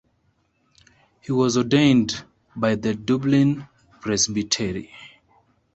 He was ordained by the Dublin presbytery.